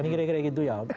kira kira gitu ya